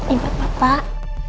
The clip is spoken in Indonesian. ini buat bapak